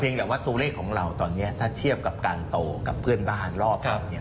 แต่ว่าตัวเลขของเราตอนนี้ถ้าเทียบกับการโตกับเพื่อนบ้านรอบเราเนี่ย